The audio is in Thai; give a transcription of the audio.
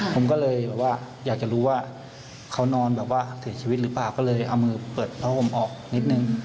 ผมก็เลยแบบว่าอยากจะรู้ว่าเขานอนแบบว่าเสียชีวิตหรือเปล่าก็เลยเอามือเปิดผ้าห่มออกนิดนึง